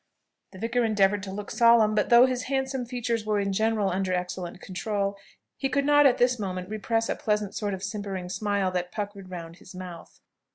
'" The vicar endeavoured to look solemn; but, though his handsome features were in general under excellent control, he could not at this moment repress a pleasant sort of simpering smile that puckered round his mouth.